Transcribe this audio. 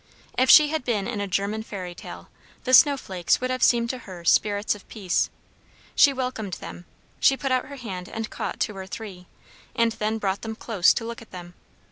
If she had been in a German fairy tale, the snow flakes would have seemed to her spirits of peace. She welcomed them. She put out her hand and caught two or three, and then brought them close to look at them.